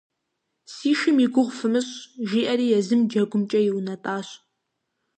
«Си шым и гугъу фымыщӀ», – жиӀэри езым джэгумкӀэ иунэтӀащ.